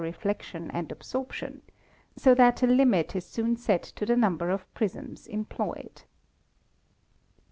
reflection and absorption, so that a limit is soon set to the number of prisms employed.